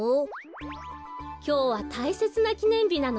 きょうはたいせつなきねんびなのよ。